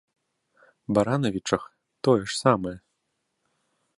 Баранавічах тое ж самае.